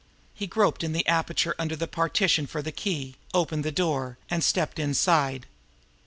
He groped in the aperture under the partition for the key, opened the door, and stepped inside.